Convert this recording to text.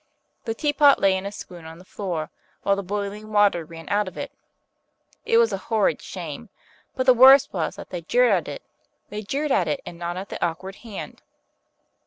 The Teapot lay in a swoon on the floor, while the boiling water ran out of it. It was a horrid shame, but the worst was that they jeered at it; they jeered at it, and not at the awkward hand.